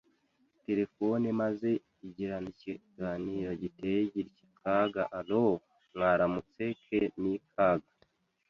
terefone maze agirana ikiganiro giteye gitya: Kaga: Allooo! Mwaramutse Ke Ni Kaga